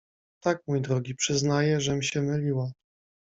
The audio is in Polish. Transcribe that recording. — Tak, mój drogi, przyznaję, żem się myliła.